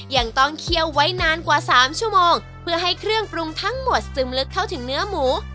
ยังต้องเคี่ยวไว้นานกว่า๓ชั่วโมงเพื่อให้เครื่องปรุงทั้งหมดซึมลึกเข้าถึงเนื้อหมู